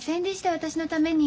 私のために。